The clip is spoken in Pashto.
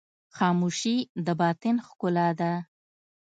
خاموشي، د باطن ښکلا ده.